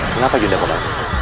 kenapa yunda memandu